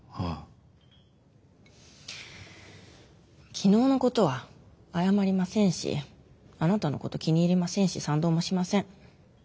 昨日のことは謝りませんしあなたのこと気に入りませんし賛同もしません。